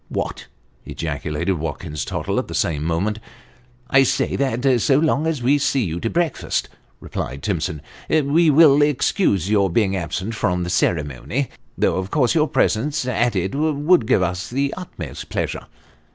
" What !" ejaculated Watkins Tottle at the same moment. " I say that so long as we see you to breakfast," replied Timsoi>, " we will excuse your being absent from the ceremony, though of course your presence at it would give us the utmost pleasure."